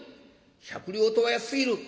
百両とは安すぎる。